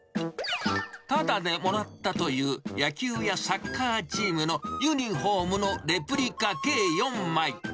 ただでもらったという、野球やサッカーチームのユニホームのレプリカ計４枚。